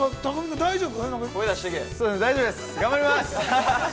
◆大丈夫です、頑張ります！